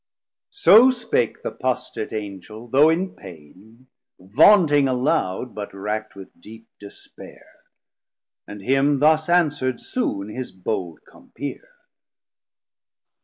So spake th' Apostate Angel, though in pain, Vaunting aloud, but rackt with deep despare: And him thus answer'd soon his bold Compeer.